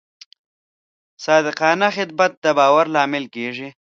صادقانه خدمت د باور لامل کېږي.